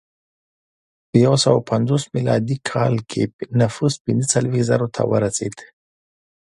په یو سوه پنځوس میلادي کال کې نفوس پنځه څلوېښت زرو ته ورسېد